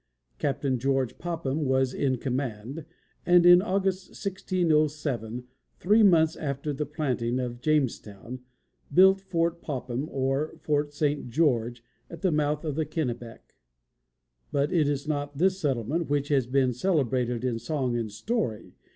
Captain George Popham was in command, and in August, 1607, three months after the planting of Jamestown, built Fort Popham, or Fort St. George, at the mouth of the Kennebec. But it is not this settlement which has been celebrated in song and story.